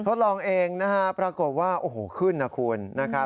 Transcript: ทดลองเองปรากฏว่าโอ้โฮขึ้นนะคุณ